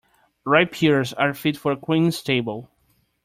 Ripe pears are fit for a queen's table.